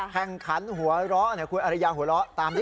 แข่งขันหัวเราะคุณอริยาหัวเราะตามด้วย